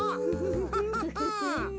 フフフン！